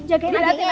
jagain hatinya ya